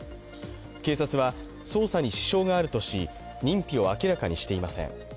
警察は捜査に支障があるとし認否を明らかにしていません。